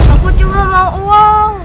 aku cuma mau uang